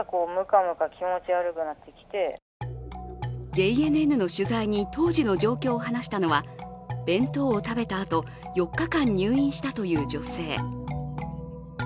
ＪＮＮの取材に当時の状況を話したのは弁当を食べたあと４日間入院したという女性。